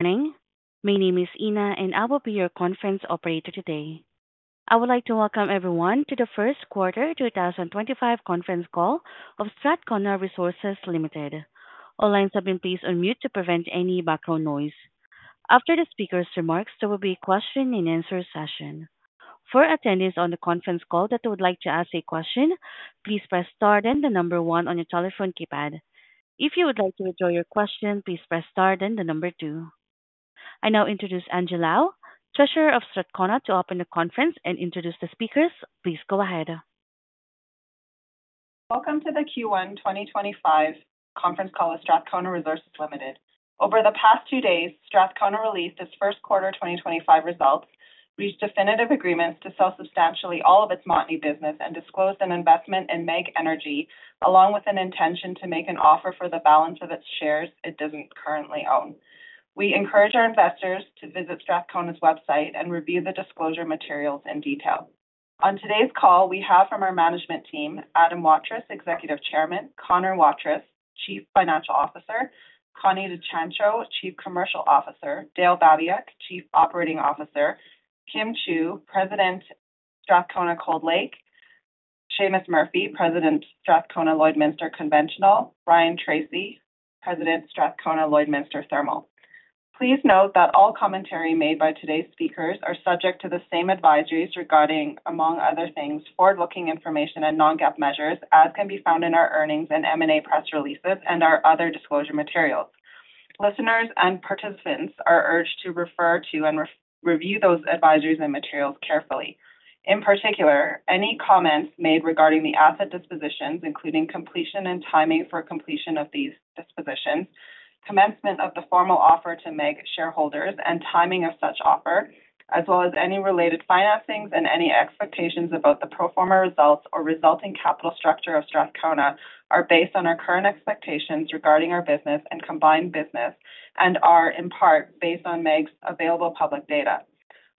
Morning. My name is Ina, and I will be your conference operator today. I would like to welcome everyone to The First Quarter 2025 Conference Call of Strathcona Resources Ltd.. All lines have been placed on mute to prevent any background noise. After the speaker's remarks, there will be a question-and-answer session. For attendees on the conference call that would like to ask a question, please press star then the number one on your telephone keypad. If you would like to withdraw your question, please press star then the number two. I now introduce Angie Lau, Treasurer of Strathcona, to open the conference and introduce the speakers. Please go ahead. Welcome to the Q1 2025 Conference Call of Strathcona Resources Ltd.. Over the past two days, Strathcona released its first quarter 2025 results, reached definitive agreements to sell substantially all of its Montney business, and disclosed an investment in MEG Energy, along with an intention to make an offer for the balance of its shares it does not currently own. We encourage our investors to visit Strathcona's website and review the disclosure materials in detail. On today's call, we have from our management team, Adam Waterous, Executive Chairman; Connor Waterous, Chief Financial Officer; Connie De Ciancio, Chief Commercial Officer; Dale Babiak, Chief Operating Officer; Kim Chiu, President of Strathcona Cold Lake; Seamus Murphy, President of Strathcona Lloydminster Conventional; Ryan Tracey, President of Strathcona Lloydminster Thermal. Please note that all commentary made by today's speakers are subject to the same advisories regarding, among other things, forward-looking information and non-GAAP measures, as can be found in our earnings and M&A press releases and our other disclosure materials. Listeners and participants are urged to refer to and review those advisories and materials carefully. In particular, any comments made regarding the asset dispositions, including completion and timing for completion of these dispositions, commencement of the formal offer to MEG shareholders, and timing of such offer, as well as any related financings and any expectations about the pro forma results or resulting capital structure of Strathcona, are based on our current expectations regarding our business and combined business and are, in part, based on MEG's available public data.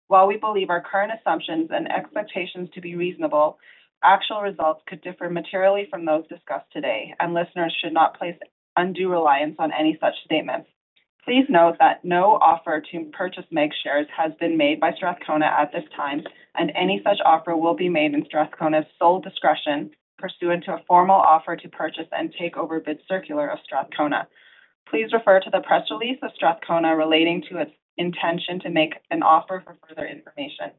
While we believe our current assumptions and expectations to be reasonable, actual results could differ materially from those discussed today, and listeners should not place undue reliance on any such statements. Please note that no offer to purchase MEG shares has been made by Strathcona at this time, and any such offer will be made in Strathcona's sole discretion, pursuant to a formal offer to purchase and Take-Over Bid Circular of Strathcona. Please refer to the press release of Strathcona relating to its intention to make an offer for further information.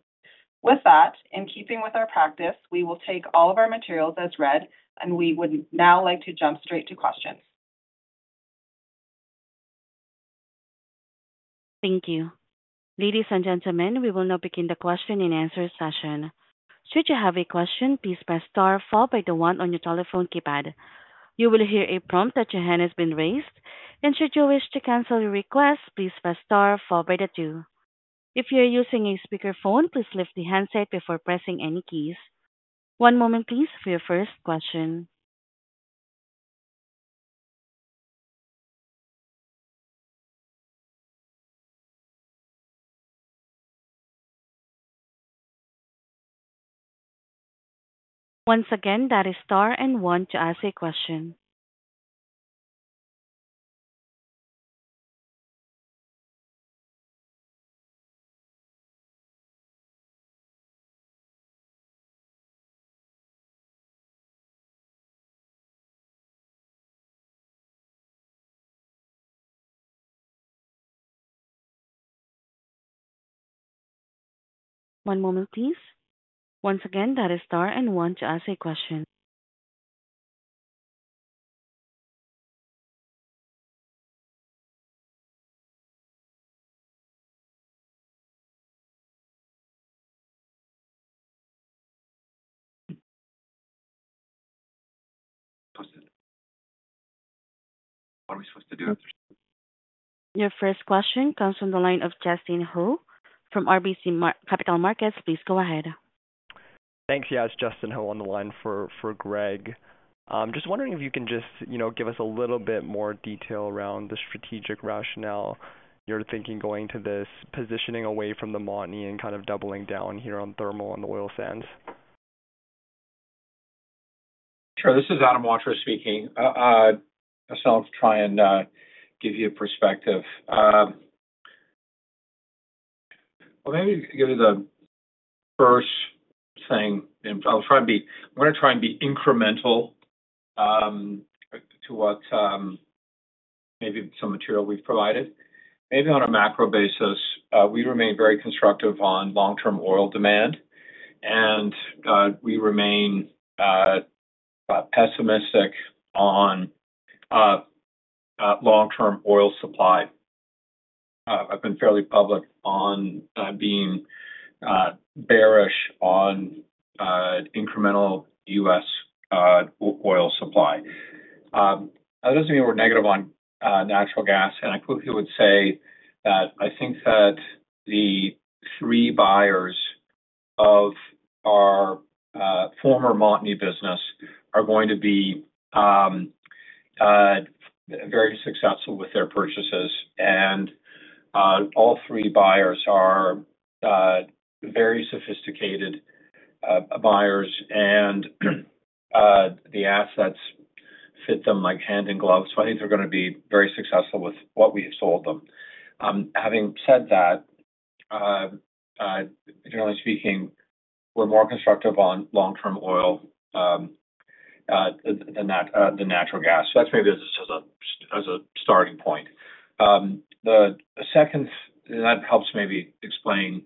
With that, in keeping with our practice, we will take all of our materials as read, and we would now like to jump straight to questions. Thank you. Ladies and gentlemen, we will now begin the question-and-answer session. Should you have a question, please press star followed by the one on your telephone keypad. You will hear a prompt that your hand has been raised, and should you wish to cancel your request, please press star followed by the two. If you are using a speakerphone, please lift the handset before pressing any keys. One moment, please, for your first question. Once again, that is star and one to ask a question. One moment, please. Once again, that is star and one to ask a question. What are we supposed to do after? Your first question comes from the line of Justin Ho from RBC Capital Markets. Please go ahead. Thanks, yes. Justin Ho on the line for Greg. Just wondering if you can just give us a little bit more detail around the strategic rationale you're thinking going to this, positioning away from the Montney and kind of doubling down here on Thermal and the Oil Sands. Sure. This is Adam Waterous speaking. I'll try and give you a perspective. Maybe give you the first thing. I'm going to try and be incremental to what maybe some material we've provided. Maybe on a macro basis, we remain very constructive on long-term oil demand, and we remain pessimistic on long-term oil supply. I've been fairly public on being bearish on incremental U.S. oil supply. That does not mean we're negative on natural gas, and I quickly would say that I think that the three buyers of our former Montney business are going to be very successful with their purchases, and all three buyers are very sophisticated buyers, and the assets fit them like hand in glove. I think they're going to be very successful with what we have sold them. Having said that, generally speaking, we're more constructive on long-term oil than natural gas. That is maybe as a starting point. The second—and that helps maybe explain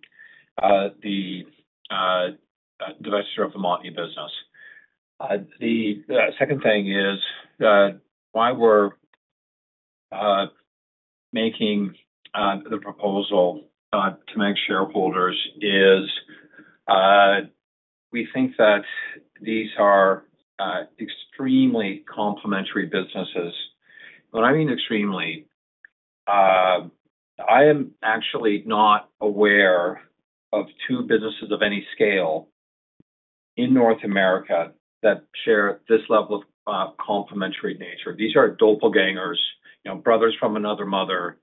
the divestiture of the Montney business. The second thing is that why we are making the proposal to MEG shareholders is we think that these are extremely complementary businesses. When I mean extremely, I am actually not aware of two businesses of any scale in North America that share this level of complementary nature. These are doppelgangers, brothers from another mother,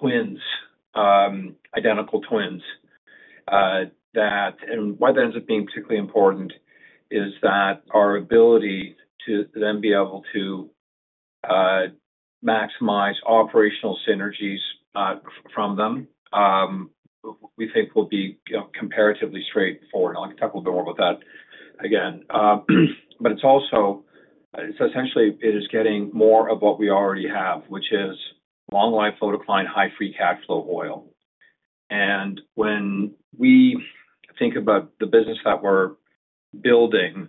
twins, identical twins. Why that ends up being particularly important is that our ability to then be able to maximize operational synergies from them we think will be comparatively straightforward. I will talk a little bit more about that again. It is also essentially getting more of what we already have, which is long-life low-decline, high free cash flow oil. When we think about the business that we're building,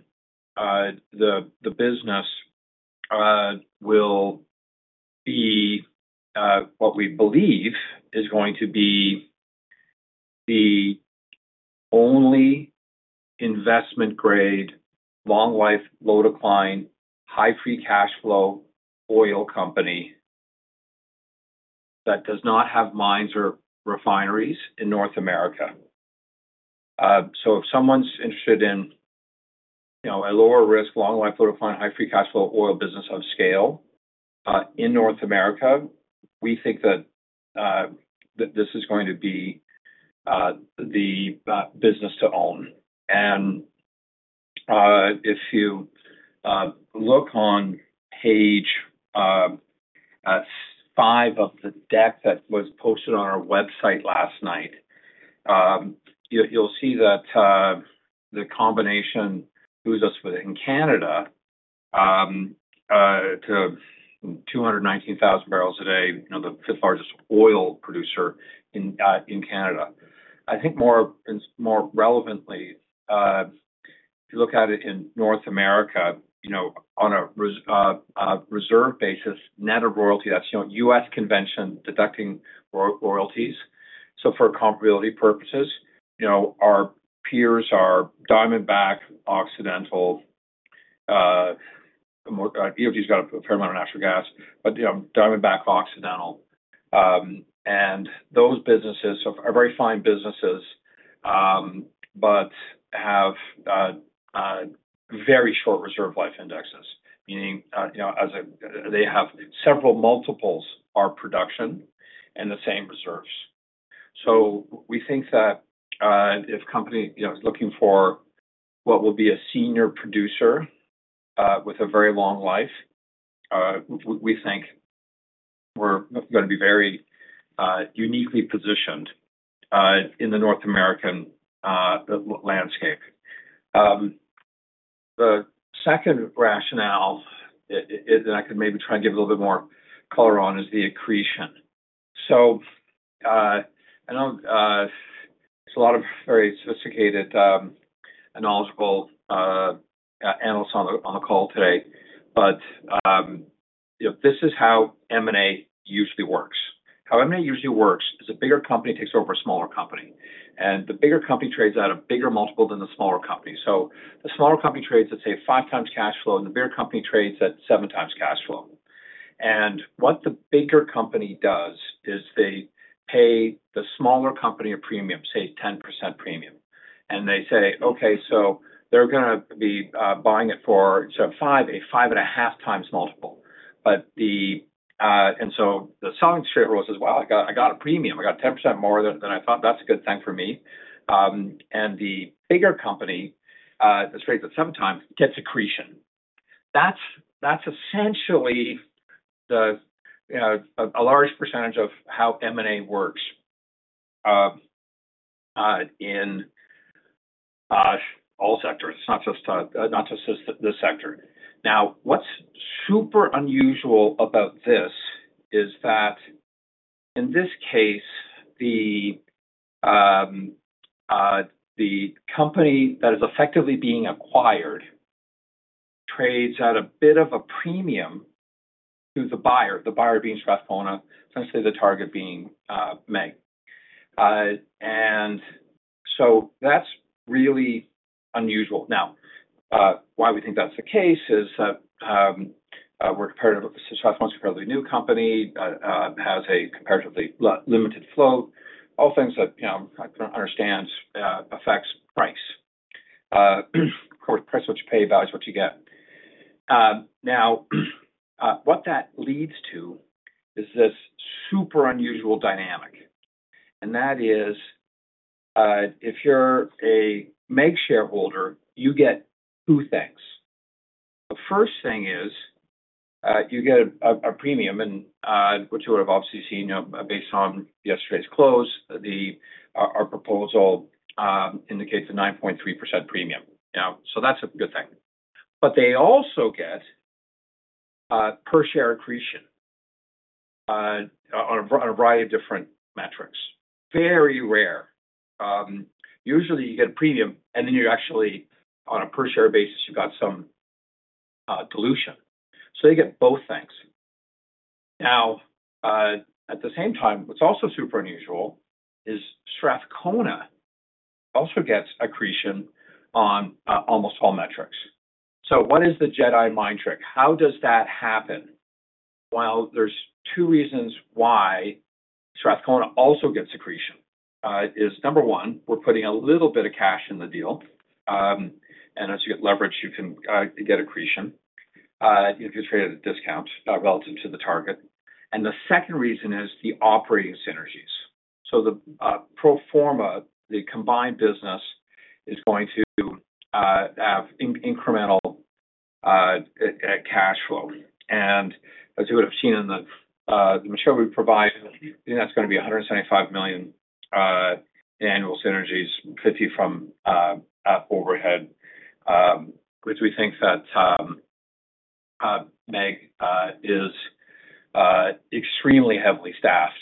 the business will be what we believe is going to be the only investment-grade long-life low-decline, high-free cash flow oil company that does not have mines or refineries in North America. If someone's interested in a lower-risk, long-life low-decline, high-free cash flow oil business of scale in North America, we think that this is going to be the business to own. If you look on page five of the deck that was posted on our website last night, you'll see that the combination oozes with it. In Canada, to 219,000 barrels a day, the fifth largest oil producer in Canada. I think more relevantly, if you look at it in North America, on a reserve basis, net of royalty, that's U.S. convention deducting royalties. For comparability purposes, our peers are Diamondback, Occidental. EOG's got a fair amount of natural gas, but Diamondback, Occidental. And those businesses are very fine businesses, but have very short reserve life indexes, meaning they have several multiples of our production and the same reserves. We think that if a company is looking for what will be a senior producer with a very long life, we think we're going to be very uniquely positioned in the North American landscape. The second rationale that I could maybe try and give a little bit more color on is the accretion. I know there's a lot of very sophisticated and knowledgeable analysts on the call today, but this is how M&A usually works. How M&A usually works is a bigger company takes over a smaller company. The bigger company trades at a bigger multiple than the smaller company. The smaller company trades at, say, five times cash flow, and the bigger company trades at seven times cash flow. What the bigger company does is they pay the smaller company a premium, say, 10% premium. They say, "Okay, so they're going to be buying it for," so a 5 and a 1/2x multiple. The selling straightforward says, "Well, I got a premium. I got 10% more than I thought. That's a good thing for me." The bigger company that trades at seven times gets accretion. That's essentially a large percentage of how M&A works in all sectors. It's not just this sector. Now, what's super unusual about this is that in this case, the company that is effectively being acquired trades at a bit of a premium to the buyer, the buyer being Strathcona, essentially the target being MEG. That is really unusual. Now, why we think that is the case is that Strathcona is a comparatively new company, has a comparatively limited float, all things that, I understand, affect price. Of course, price is what you pay, value is what you get. Now, what that leads to is this super unusual dynamic. That is, if you are a MEG shareholder, you get two things. The first thing is you get a premium, which you would have obviously seen based on yesterday's close. Our proposal indicates a 9.3% premium. That is a good thing. They also get per-share accretion on a variety of different metrics. Very rare. Usually, you get a premium, and then you actually, on a per-share basis, have some dilution. They get both things. At the same time, what is also super unusual is Strathcona also gets accretion on almost all metrics. What is the Jedi mind trick? How does that happen? There are two reasons why Strathcona also gets accretion. Number one, we are putting a little bit of cash in the deal. As you get leverage, you can get accretion. You can trade at a discount relative to the target. The second reason is the operating synergies. The pro forma, the combined business, is going to have incremental cash flow. As you would have seen in the material we provide, that is going to be 175 million in annual synergies, 50 million from overhead, which we think that MEG is extremely heavily staffed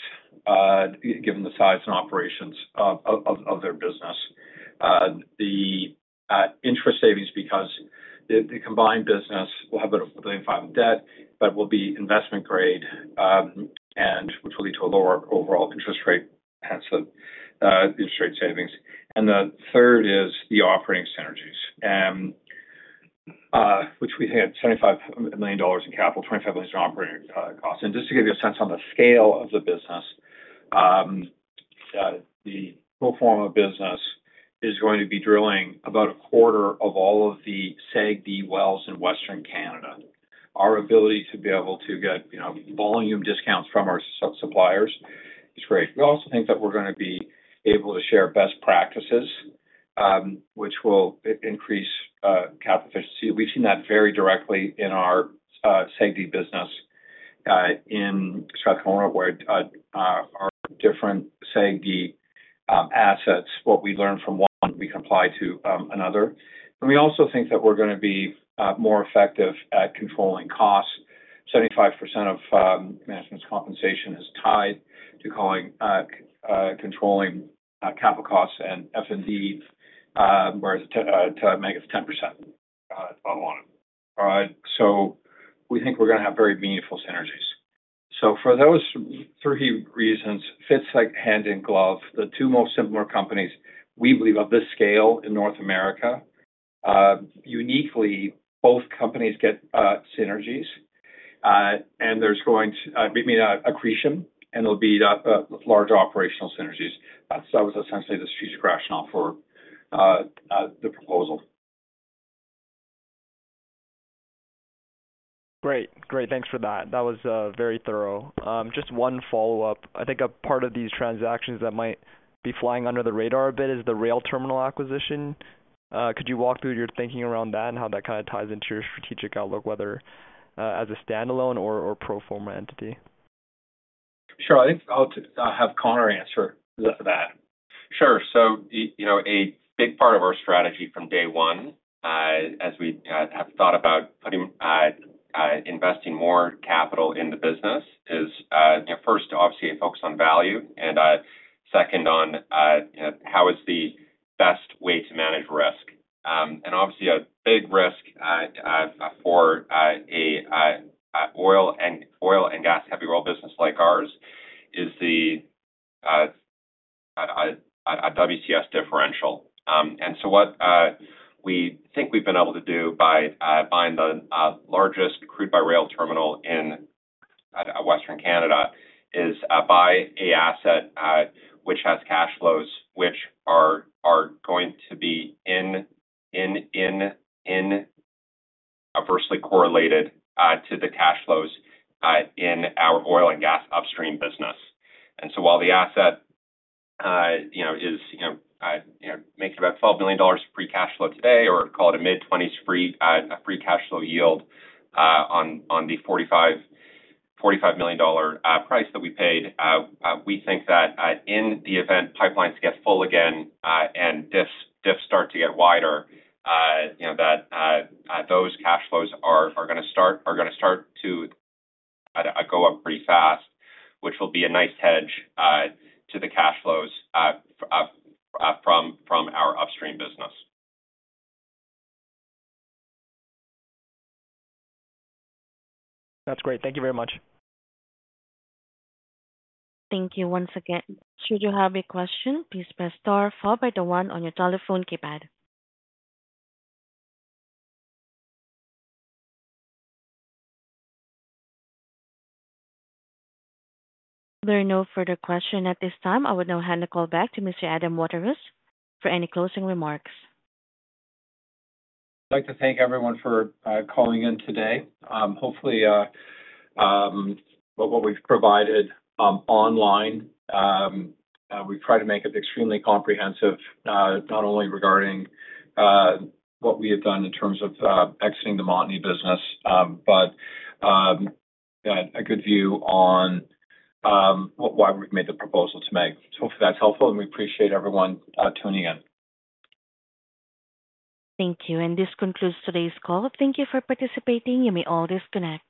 given the size and operations of their business. The interest savings because the combined business will have 1.5 billion in debt, but will be investment-grade, which will lead to a lower overall interest rate and so interest rate savings. The third is the operating synergies, which we think at 75 million dollars in capital, 25 million in operating costs. Just to give you a sense on the scale of the business, the pro forma business is going to be drilling about a quarter of all of the SAGD wells in Western Canada. Our ability to be able to get volume discounts from our suppliers is great. We also think that we're going to be able to share best practices, which will increase capital efficiency. We've seen that very directly in our SAGD business in Strathcona, where our different SAGD assets, what we learn from one, we can apply to another. We also think that we're going to be more effective at controlling costs. 75% of management's compensation is tied to controlling capital costs and F&D, whereas to MEG, it's 10%. Got it. I'll own it. All right. We think we're going to have very meaningful synergies. For those three reasons, Fits, Hand in Glove, the two most similar companies we believe of this scale in North America. Uniquely, both companies get synergies, and there's going to be accretion, and there'll be large operational synergies. That was essentially the strategic rationale for the proposal. Great. Great. Thanks for that. That was very thorough. Just one follow-up. I think a part of these transactions that might be flying under the radar a bit is the rail terminal acquisition. Could you walk through your thinking around that and how that kind of ties into your strategic outlook, whether as a standalone or pro forma entity? Sure. I think I'll have Connor answer that. Sure. A big part of our strategy from day one, as we have thought about investing more capital in the business, is first, obviously, a focus on value, and second, on how is the best way to manage risk. Obviously, a big risk for an oil and gas-heavy oil business like ours is the WCS differential. What we think we've been able to do by buying the largest crude-by-rail terminal in Western Canada is buy an asset which has cash flows which are going to be adversely correlated to the cash flows in our oil and gas upstream business. While the asset is making about 12 million dollars free cash flow today, or call it a mid-20s % free cash flow yield on the 45 million dollar price that we paid, we think that in the event pipelines get full again and diffs start to get wider, those cash flows are going to start to go up pretty fast, which will be a nice hedge to the cash flows from our upstream business. That's great. Thank you very much. Thank you once again. Should you have a question, please press star followed by the one on your telephone keypad. There are no further questions at this time. I would now hand the call back to Mr. Adam Waterous for any closing remarks. I'd like to thank everyone for calling in today. Hopefully, what we've provided online, we've tried to make it extremely comprehensive, not only regarding what we have done in terms of exiting the Montney business, but a good view on why we've made the proposal to MEG. Hopefully, that's helpful, and we appreciate everyone tuning in. Thank you. This concludes today's call. Thank you for participating. You may all disconnect.